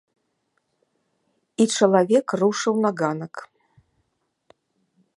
І чалавек рушыў на ганак.